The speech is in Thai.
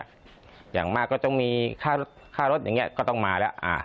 อย่างมากก็ต้องมีค่ารถอย่างนี้ก็ต้องมาแล้ว